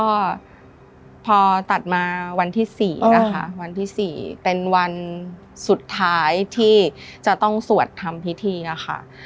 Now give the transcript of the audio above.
ก็พอตัดมาวันที่๔นะคะวันที่๔เป็นวันสุดท้ายที่จะต้องสวดทำพิธีอะค่ะ